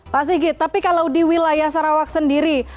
pak sigit tapi kalau di wilayah sarawak sendiri